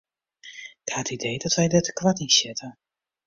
Ik ha it idee dat wy dêr te koart yn sjitte.